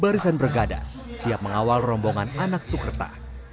barisan bergada siap mengawal rombongan anak sukerta